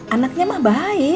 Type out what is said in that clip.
anaknya mah baik